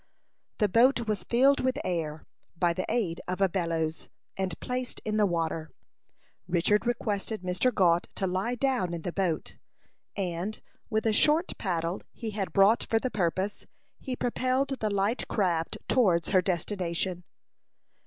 The boat was filled with air, by the aid of a bellows, and placed in the water. Richard requested Mr. Gault to lie down in the boat, and, with a short paddle he had brought for the purpose, he propelled the light craft towards her destination.